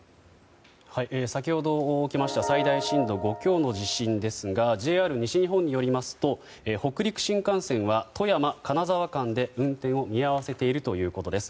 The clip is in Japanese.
先ほど起きました最大震度５強の地震ですがＪＲ西日本によりますと北陸新幹線は富山金沢間で運転を見合わせているということです。